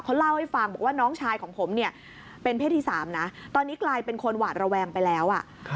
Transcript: เขาเล่าให้ฟังบอกว่าน้องชายของผมเนี่ยเป็นเพศที่๓นะตอนนี้กลายเป็นคนหวาดระแวงไปแล้ว